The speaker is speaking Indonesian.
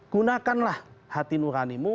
gunakanlah hati nuranimu